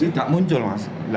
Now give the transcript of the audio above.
tidak muncul mas